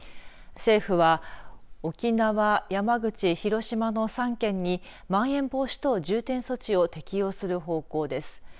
政府は沖縄、山口、広島の３県にまん延防止等重点措置を適用する方向です。